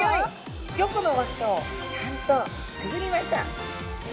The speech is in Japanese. ５個の輪っかをちゃんとくぐりました。